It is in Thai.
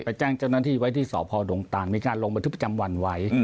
แจ้งเจ้าหน้าที่ไว้ที่สพดงตานมีการลงบันทึกประจำวันไว้